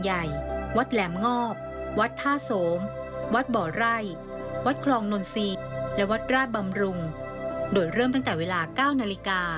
หญ่าววัดบ่อไรวัดคลองน่วนซีและวัดราตรบำรุงโดยเริ่มตั้งแต่เวลาก้านาฬิกา